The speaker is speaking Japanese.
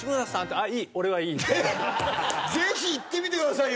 ぜひ行ってみてくださいよ。